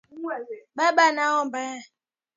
Baba naomba.